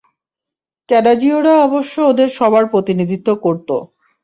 ক্যাডাজিওরা অবশ্য ওদের সবার প্রতিনিধিত্ব করত।